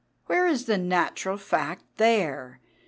Where is the natural fact there?